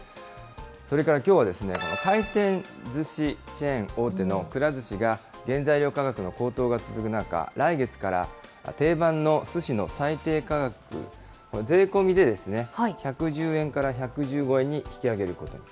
それからきょうは回転ずしチェーン大手のくら寿司が、原材料価格の高騰が続く中、来月から定番のすしの最低価格、税込みで１１０円から１１５円に引き上げることに。